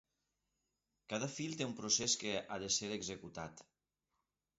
Cada fil té un procés que ha de ser executat.